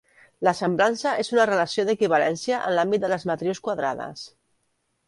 La semblança és una relació d'equivalència en l'àmbit de les matrius quadrades.